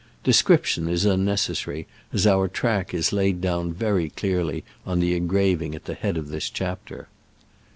De scription is unnecessary, as our track is laid down very clearly on the engraving at the head of this chapter.